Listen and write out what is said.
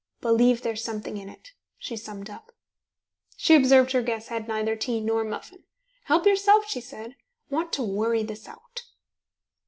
"Believe there's something in it," she summed up. She observed her guest had neither tea nor muffin. "Help yourself," she said. "Want to worry this out."